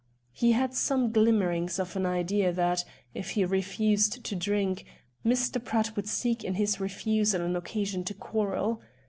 He had some glimmerings of an idea that, if he refused to drink, Mr. Pratt would seek in his refusal an occasion to quarrel.